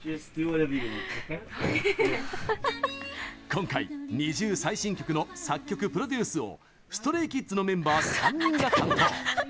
今回、ＮｉｚｉＵ最新曲の作曲・プロデュースをＳｔｒａｙＫｉｄｓのメンバー３人が担当。